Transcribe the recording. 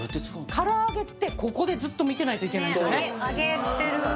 唐揚げってここでずっと見てないといけないんですよね